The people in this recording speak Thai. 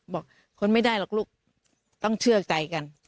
คนไม่ได้หรอกลูกต้องเชื่อใจกัน